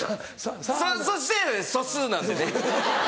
そそして素数なんでね。